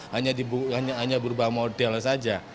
hanya berubah model saja